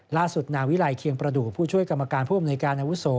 ล่าสุดนาวิลัยเคียงประดูกผู้ช่วยกรรมการผู้อำนวยการอาวุโส